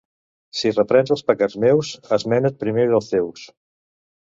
Si reprens els pecats meus, esmena't primer dels teus.